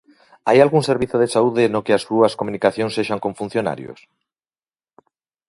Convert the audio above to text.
¿Hai algún servizo de saúde no que as súas comunicacións sexan con funcionarios?